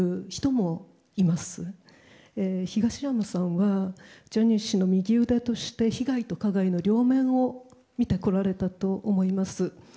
東山さんはジャニーさんの右腕として被害とか加害の両面を見てこられたと思います。